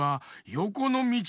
よこのみち？